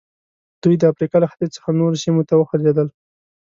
دوی د افریقا له ختیځ څخه نورو سیمو ته وخوځېدل.